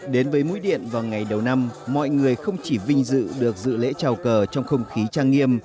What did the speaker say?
đến với mũi điện vào ngày đầu năm mọi người không chỉ vinh dự được dự lễ trào cờ trong không khí trang nghiêm